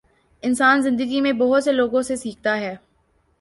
انسان زندگی میں بہت سے لوگوں سے سیکھتا ہے